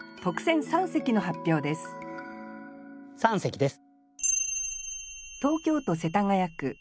三席です。